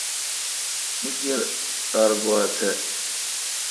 می کیر ار گوا تھ۔